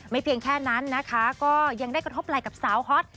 เพียงแค่นั้นนะคะก็ยังได้กระทบอะไรกับสาวฮอต